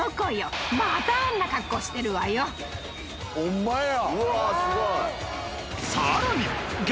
ホンマや！